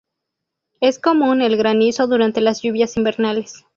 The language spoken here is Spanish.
Es común el granizo durante las lluvias invernales.